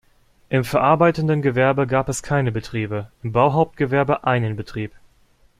Im verarbeitenden Gewerbe gab es keine Betriebe, im Bauhauptgewerbe einen Betrieb.